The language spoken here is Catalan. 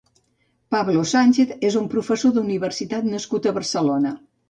Pablo Sánchez és un professor d'universitat nascut a Barcelona.